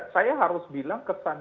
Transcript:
saya harus bilang kesan yang dibangun